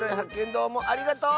どうもありがとう！